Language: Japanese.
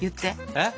えっ？